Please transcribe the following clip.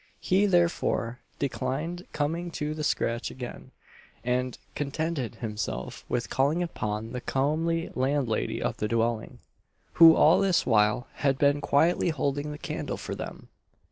He, therefore, declined coming to the scratch again; and contented himself with calling upon the comely landlady of the dwelling, who all this while had been quietly holding the candle for them.